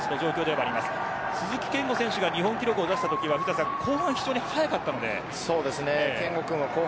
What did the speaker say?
鈴木健吾選手が日本記録を出したときは後半が非常に速かったです。